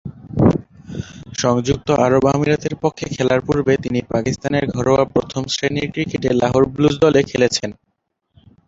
সংযুক্ত আরব আমিরাতের পক্ষে খেলার পূর্বে তিনি পাকিস্তানের ঘরোয়া প্রথম-শ্রেণীর ক্রিকেটে লাহোর ব্লুজ দলে খেলেছেন।